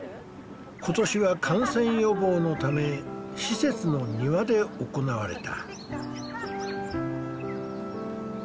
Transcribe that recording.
今年は感染予防のため施設の庭で行われた。